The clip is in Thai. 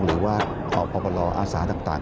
หรือว่าออกประวัติศาสตร์ต่าง